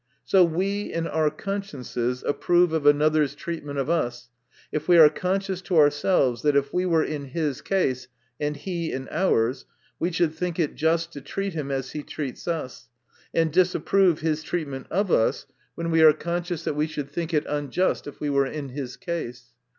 So we in our consciences approve of another's treatment of us, if we are conscious to ourselves, that if we were in' his case, and he in ours, we should think it just to treat him as he treats us ; and disapprove his treatment of us, when we are conscious that we should think it unjust, if we were in his case.